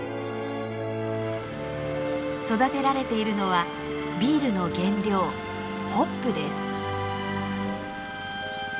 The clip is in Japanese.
育てられているのはビールの原料ホップです。